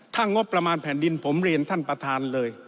ถ้างบประมาณแผ่นดินผมเรียนท่านประธานเลย